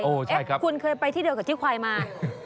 เอ๊ะคุณเคยไปที่เดียวกับที่ควายมา